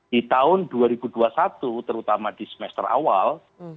di tahun dua ribu dua puluh satu terutama di semester awal